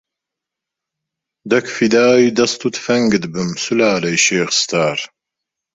دەک فیدای دەست و تفەنگت بم سولالەی شێخ ستار